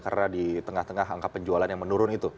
karena di tengah tengah angka penjualan yang menurun itu